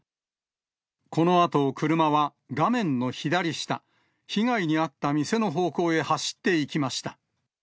このあと車は、画面の左下、被害に遭った店の方向へ走っていきました。